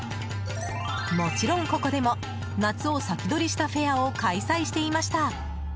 もちろん、ここでも夏を先取りしたフェアを開催していました。